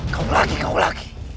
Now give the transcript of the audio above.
kau lagi kau lagi